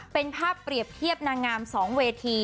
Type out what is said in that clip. เป็นภาพเปรียบเทียบนางงาม๒เวที